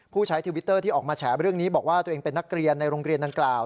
ใช้ทวิตเตอร์ที่ออกมาแฉเรื่องนี้บอกว่าตัวเองเป็นนักเรียนในโรงเรียนดังกล่าว